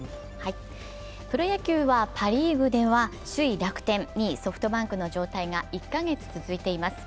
プロ野球はパ・リーグでは首位・楽天、２位・ソフトバンクの状態が１カ月続いています。